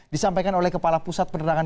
disampaikan oleh kepala pusat penerangan